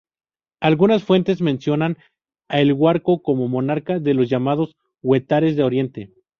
Algunas fuentes mencionan a El Guarco como monarca de los llamados huetares de oriente.